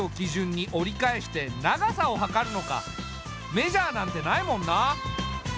メジャーなんてないもんな。